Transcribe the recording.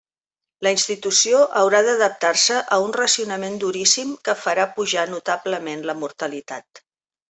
La institució haurà d'adaptar-se a un racionament duríssim que farà pujar notablement la mortalitat.